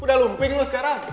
udah lumping lu sekarang